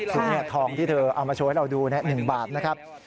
สุดที่นี่ทองที่เธอเอามาช่วยให้เราดู๑บาทนะครับ